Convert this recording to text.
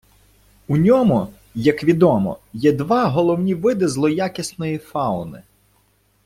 У ньому, як відомо, є два головні види злоякісної фауни.